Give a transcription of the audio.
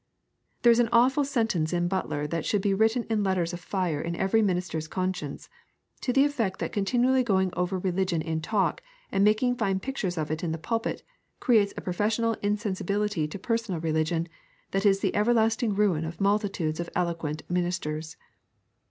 There is an awful sentence in Butler that should be written in letters of fire in every minister's conscience, to the effect that continually going over religion in talk and making fine pictures of it in the pulpit, creates a professional insensibility to personal religion that is the everlasting ruin of multitudes of eloquent ministers.